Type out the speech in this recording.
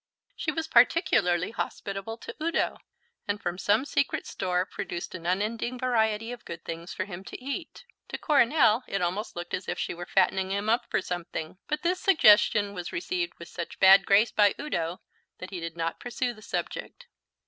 She was particularly hospitable to Udo, and from some secret store produced an unending variety of good things for him to eat. To Coronel it almost looked as if she were fattening him up for something, but this suggestion was received with such bad grace by Udo that he did not pursue the subject.